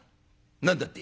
「何だって？」。